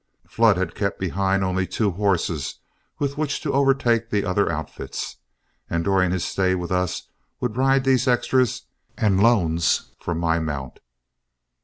Flood had kept behind only two horses with which to overtake the other outfits, and during his stay with us would ride these extras and loans from my mount.